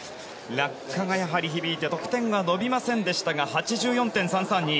落下がやはり響いて得点は伸びませんでしたが８４．３３２。